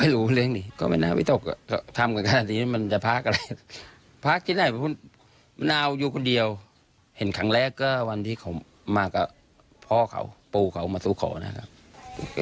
และก็วันที่ผมมากับพ่อเขาปูเขามาสู้ขอนะครับ